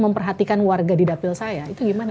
memperhatikan warga di dapil saya itu gimana